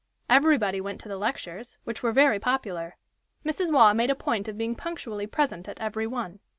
Everybody went to the lectures, which were very popular. Mrs. Waugh made a point of being punctually present at every one.